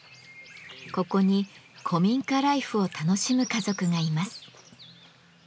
ここに古民家ライフを楽しむ家族がいます。